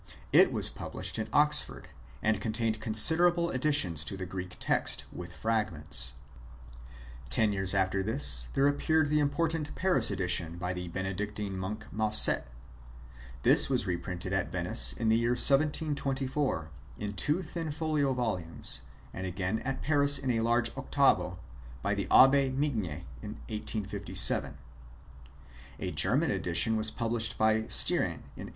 It was published at Oxford, and contained considerable additions to the Greek text, with fragments. Ten years after this XX IN TROD UCTOR Y NOTICE. there appeared the important Paris edition by the Benedic tine monk Massuet. This was reprinted at Venice in the year 1724, in two thin folio volumes, and again at Paris in a large octavo, by the Abbe Migne, in 1857. A German edition was published by Stieren in 1853.